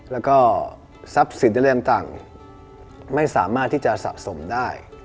แล้วก็ทรัพย์สินอะไรต่างไม่สามารถที่จะสะสมได้